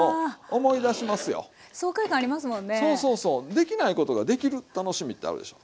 できないことができる楽しみってあるでしょ。